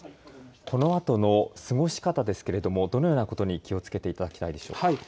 このあとの過ごし方ですけれどもどのようなことに気をつけていただきたいでしょうか。